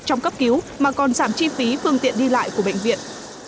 trong cấp cứu mà còn giảm chi phí phương tiện đi lại của bệnh viện